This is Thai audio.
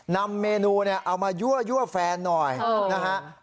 นำเมนูเอายั่วแฟนจะตามมาหน่อย